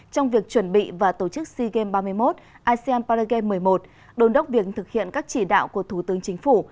trong việc chuẩn bị và tổ chức sea games ba mươi một asean paragame một mươi một đồn đốc việc thực hiện các chỉ đạo của thủ tướng chính phủ